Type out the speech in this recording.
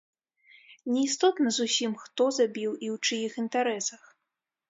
Не істотна зусім, хто забіў і ў чыіх інтарэсах.